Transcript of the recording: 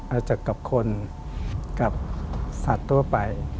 อาจจะกับคนกับสัตว์ทั่วไป